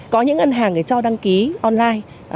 có những ngân hàng cho đăng ký online